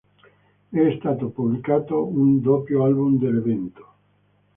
È stato pubblicato un doppio album dell'evento.